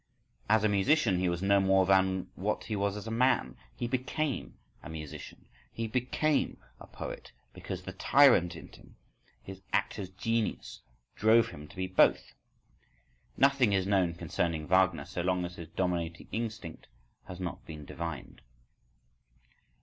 … As a musician he was no more than what he was as a man, he became a musician, he became a poet, because the tyrant in him, his actor's genius, drove him to be both. Nothing is known concerning Wagner, so long as his dominating instinct has not been divined.